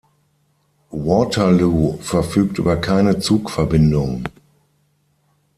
Waterloo verfügt über keine Zugverbindung.